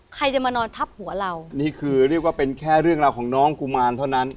ใครจะมานอนทับหัวเรานี่คือเรียกว่าเป็นแค่เรื่องราวของน้องกุมารเท่านั้น